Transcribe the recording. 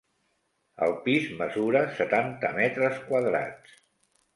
El pis mesura setanta metres quadrats.